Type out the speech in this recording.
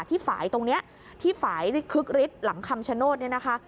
ที่ฝ่ายตรงนี้ที่ฝ่ายคึกฤทธิ์หลังคำชโนธเนี่ยนะคะ